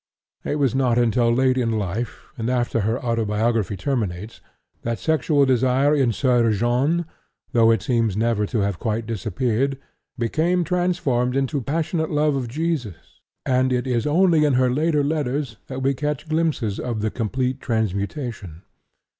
It was not until late in life, and after her autobiography terminates, that sexual desire in Soeur Jeanne (though its sting seems never to have quite disappeared) became transformed into passionate love of Jesus, and it is only in her later letters that we catch glimpses of the complete transmutation.